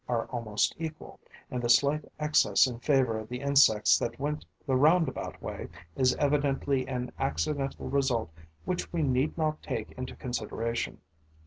are almost equal; and the slight excess in favour of the insects that went the roundabout way is evidently an accidental result which we need not take into consideration.